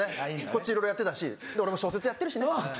こっちいろいろやってたし俺も小説やってるしね。